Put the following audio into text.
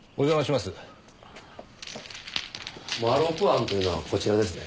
まろく庵というのはこちらですね？